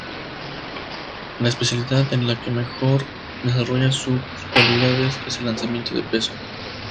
La especialidad en la que mejor desarrolla sus cualidades es el lanzamiento de peso.